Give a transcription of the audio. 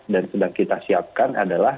dan sedang kita siapkan adalah